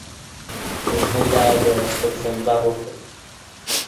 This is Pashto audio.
موږ هم باید د خپل ژوند باغ وکرون.